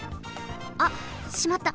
あっしまった。